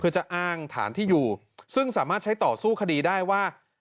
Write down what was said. เพื่อจะอ้างฐานที่อยู่ซึ่งสามารถใช้ต่อสู้คดีได้ว่า